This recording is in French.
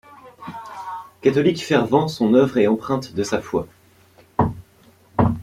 Catholique fervent, son œuvre est empreinte de sa foi.